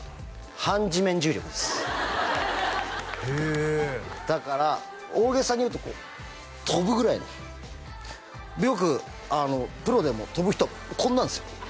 反地面重力ですへえだから大げさに言うとこう跳ぶぐらいのよくプロでも飛ぶ人はこんなんですよ